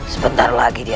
sebentar lagi di sini ya